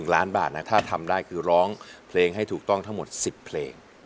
๑ล้านบาทนะถ้าทำได้คือร้องเพลงให้ถูกต้องทั้งหมด๑๐เพลง